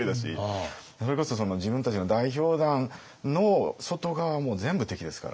それこそ自分たちの代表団の外側はもう全部敵ですから。